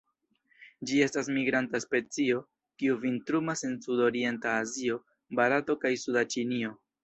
Ĝi estas migranta specio, kiu vintrumas en sudorienta Azio, Barato kaj suda Ĉinio.